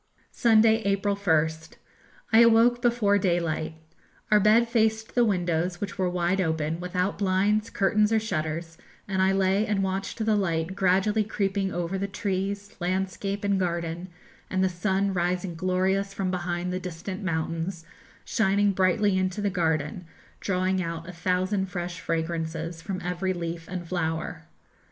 Sunday, April 1st. I awoke before daylight. Our bed faced the windows, which were wide open, without blinds, curtains, or shutters, and I lay and watched the light gradually creeping over the trees, landscape, and garden, and the sun rising glorious from behind the distant mountains, shining brightly into the garden, drawing out a thousand fresh fragrances from every leaf and flower.